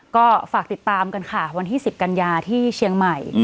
ก็ฝากติดตามกันค่ะวันที่๑๐กันยาที่เชียงใหม่